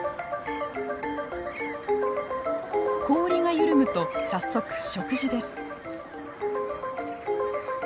氷が緩むと早速食事です。